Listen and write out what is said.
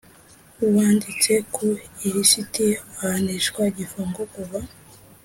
wanditse ku ilisiti ahanishwa igifungo kuva